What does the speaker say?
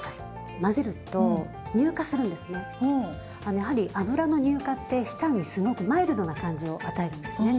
やはり油の乳化って舌にすごくマイルドな感じを与えるんですね。